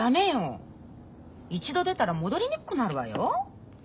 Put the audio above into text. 一度出たら戻りにくくなるわよ。